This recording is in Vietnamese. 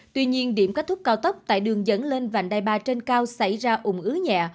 tuy nhiên điểm kết thúc cao tốc tại đường dẫn lên vành đai ba trên cao xảy ra ủng ứ nhẹ